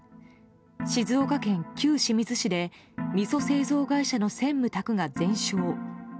静岡県旧清水市でみそ製造会社の専務宅が全焼。